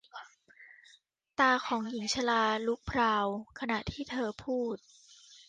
ตาของหญิงชราลุกพราวขณะที่เธอพูด